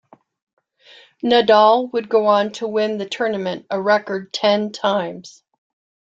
Nadal would go on to win the tournament a record ten times.